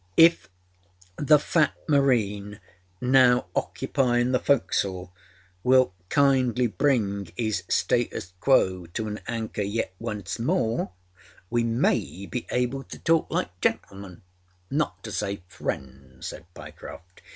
âIf the fat marine now occupying the focâsle will kindly bring âis status quo to an anchor yet once more, we may be able to talk like gentlemenânot to say friends,â said Pyecroft.